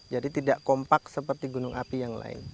jadi tidak kompak seperti gunung api yang lain